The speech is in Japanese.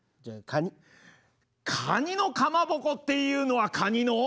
かにのかまぼこっていうのはかにの。